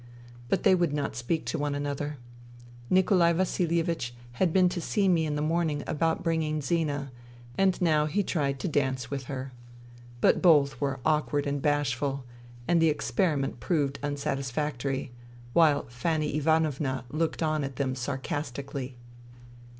But they would not speak to one another. Nikolai Vasilievieh had been to see me in the morning about bringing Zina ; and now he tried to dance with her. But both were awkward and bashful, and the experiment proved unsatisfactory ; while Fanny Ivanovna looked on at them sarcastically.